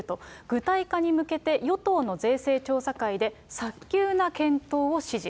具体化に向けて、与党の税制調査会で早急な検討を指示。